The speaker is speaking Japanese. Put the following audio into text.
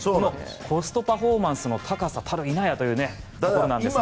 コストパフォーマンスの高さたるやということなんですが。